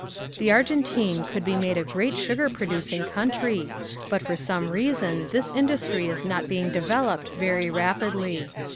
The Argentine could be made a great sugar producing country, but for some reason this industry is not being developed very rapidly.